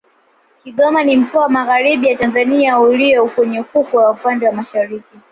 Kigoma ni mkoa wa Magharibi ya Tanzania ulio kwenye ufukwe wa upande wa Mashariki